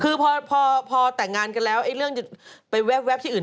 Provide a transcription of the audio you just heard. คือพอแต่งงานกันแล้วเรื่องจะไปแวบที่อื่น